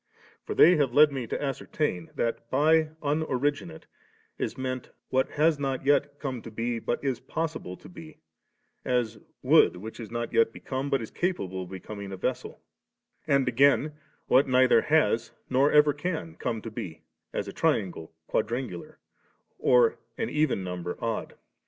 For they have led me to ascertain « that by * unoriginate ' is meant what has not yet come to be, but is possible to be, as wood which is not yet become, but is capable of becoming, a vessel; and again what neither has nor ever can come to be, as a triangle quadrangular, and an even number odd.